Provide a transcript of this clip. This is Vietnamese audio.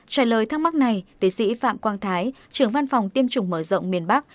trả lời thắc mắc này tiến sĩ phạm quang thái trưởng văn phòng tiêm chủng mở rộng miền bắc